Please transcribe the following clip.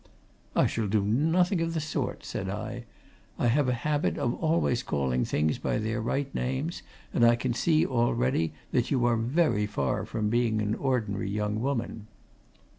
"I shall do nothing of the sort!" said I. "I have a habit of always calling things by their right names, and I can see already that you are very far from being an ordinary young woman."